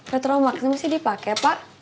retromak ini masih dipakai pak